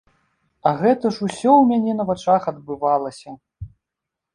А гэта ж усё ў мяне на вачах адбывалася.